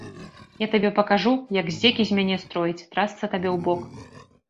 Я табе пакажу, як здзекі з мяне строіць, трасца табе ў бок!